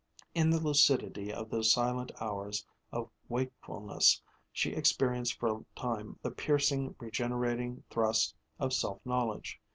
In the lucidity of those silent hours of wakefulness she experienced for a time the piercing, regenerating thrust of self knowledge.